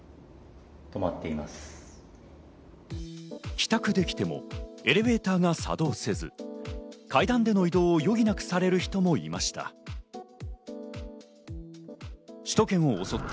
帰宅できてもエレベーターが作動せず、階段での移動を余儀なくされる人もいました。